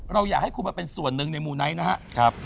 เราอยากให้คุณมาเป็นส่วนหนึ่งในมูไนท์นะครับ